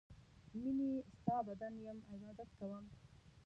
میینې ستا بنده یم عبادت کوم